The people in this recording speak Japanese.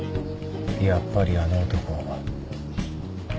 やっぱりあの男。